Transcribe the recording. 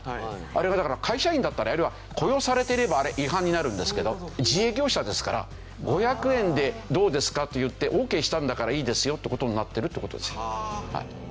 あれはだから会社員だったらあるいは雇用されていればあれ違反になるんですけど自営業者ですから５００円でどうですか？といってオーケーしたんだからいいですよっていう事になってるっていう事ですよ。